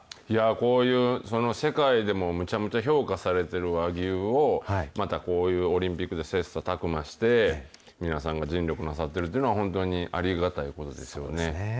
こういう世界でもむちゃむちゃ評価されてる和牛を、またこういうオリンピックで切さたく磨して、皆さんが尽力なさってるというのは、本当にありがたいことですよね。